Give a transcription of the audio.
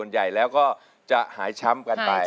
ใหญ่แล้วก็จะหายช้ำกันไป